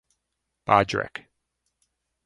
Bhadrak.